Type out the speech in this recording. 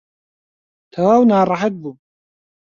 تەواو ناڕەحەت بووم.